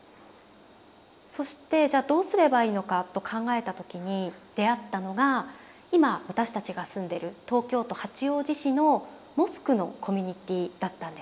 そしてじゃあどうすればいいのかと考えた時に出会ったのが今私たちが住んでる東京都八王子市のモスクのコミュニティーだったんです。